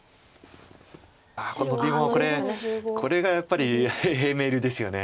ノビもこれこれがやっぱり平明流ですよね。